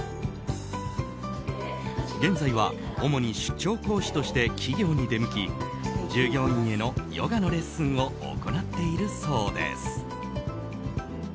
現在は主に出張講師として企業に出向き従業員へのヨガのレッスンを行っているそうです。